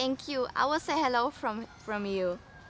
aku akan ucap halo dari kamu